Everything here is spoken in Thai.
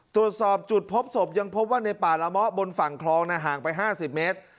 ตรวจสอบจุดพบศพยังพบว่าในป่าละเมาะบนฝั่งคลองห่างไป๕๐เมตร